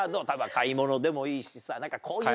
買い物でもいいしさ。